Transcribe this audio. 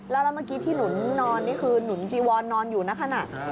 แล้วเมื่อกี้ที่หนุนนอนนี่คือหนุนจีวอนนอนอยู่นะขณะ